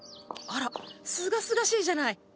あらすがすがしいじゃない。